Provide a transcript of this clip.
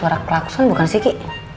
suara kelakosan kalau bukan si kiki